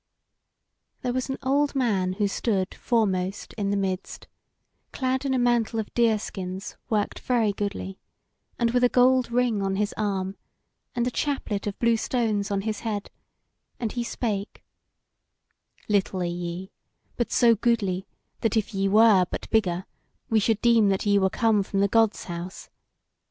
There was an old man who stood foremost in the midst, clad in a mantle of deer skins worked very goodly, and with a gold ring on his arm, and a chaplet of blue stones on his head, and he spake: "Little are ye, but so goodly, that if ye were but bigger, we should deem that ye were come from the Gods' House.